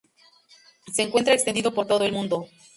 Se encuentra extendido por todo el mundo.